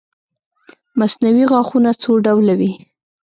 مصنوعي غاښونه څو ډوله وي